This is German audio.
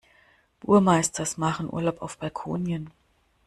Burmeisters machen Urlaub auf Balkonien.